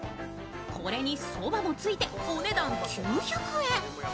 これにそばもついてお値段９００円。